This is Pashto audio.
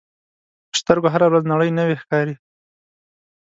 په سترګو هره ورځ نړۍ نوې ښکاري